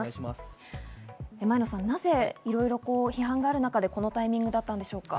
前野さん、なぜいろいろ批判がある中でこのタイミングだったんでしょうか？